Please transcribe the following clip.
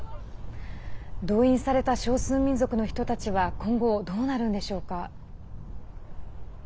動員された少数民族の人たちは今後どうなるんでしょうか。